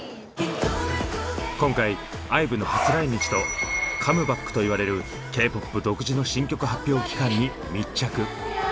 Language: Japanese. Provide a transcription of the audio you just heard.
今回ＩＶＥの初来日と「カムバック」と言われるＫーＰＯＰ独自の新曲発表期間に密着。